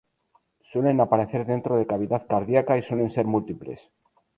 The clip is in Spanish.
Suelen aparecer dentro de cavidad cardíaca y suelen ser múltiples.